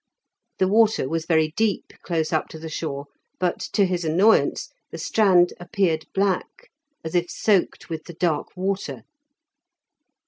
The water was very deep close up to the shore, but, to his annoyance, the strand appeared black, as if soaked with the dark water.